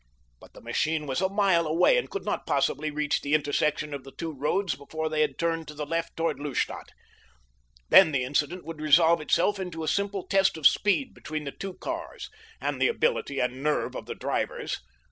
But the machine was a mile away and could not possibly reach the intersection of the two roads before they had turned to the left toward Lustadt. Then the incident would resolve itself into a simple test of speed between the two cars—and the ability and nerve of the drivers.